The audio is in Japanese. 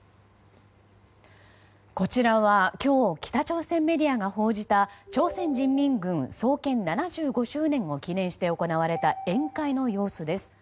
こちらは今日北朝鮮メディアが報じた朝鮮人民軍創建７５周年を記念して行われた宴会の様子です。